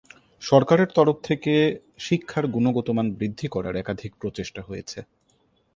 সরকারের তরফ থেকে শিক্ষার গুণগত মান বৃদ্ধি করার একাধিক প্রচেষ্টা হয়েছে।